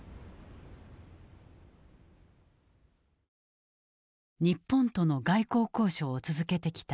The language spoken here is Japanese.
日本との外交交渉を続けてきたアメリカ。